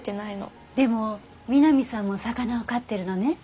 でも美波さんも魚を飼ってるのね。